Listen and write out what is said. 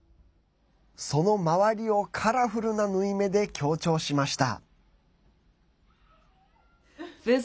その周りをカラフルな縫い目で強調しました。